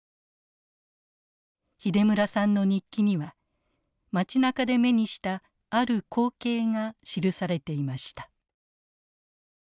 秀村さんの日記には町なかで目にしたある光景が記されていました。